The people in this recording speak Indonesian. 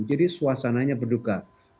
jadi suasananya berduka